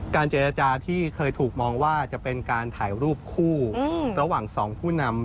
เจรจาที่เคยถูกมองว่าจะเป็นการถ่ายรูปคู่ระหว่าง๒ผู้นำ